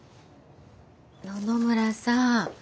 野々村さん